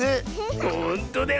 ほんとだよ。